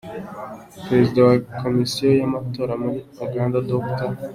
Perezida wa Komisiyo y’amatora muri Uganda, Dr.